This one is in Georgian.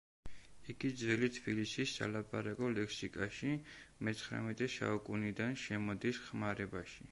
იგი ძველი თბილისის სალაპარაკო ლექსიკაში მეცხრამეტე საუკუნიდან შემოდის ხმარებაში.